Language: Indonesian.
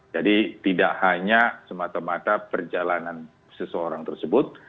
jadi tidak hanya semata mata perjalanan seseorang tersebut